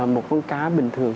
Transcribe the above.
một con cá bình thường